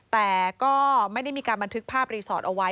แต่ก็ไม่ได้มีการบันทึกภาพรีสอร์ทเอาไว้